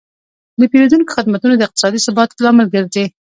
د پیرودونکو خدمتونه د اقتصادي ثبات لامل ګرځي.